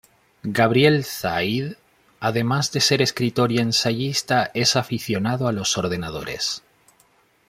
Gabriel Zaid, además de ser escritor y ensayista, es aficionado a los ordenadores.